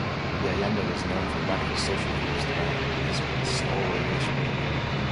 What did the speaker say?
Biayenda was known for radical social views throughout his pastoral ministry.